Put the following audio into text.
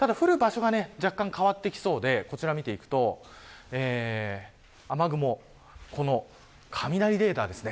降る場所が若干変わってきそうでこちら見ていくと雨雲、この雷レーダーです。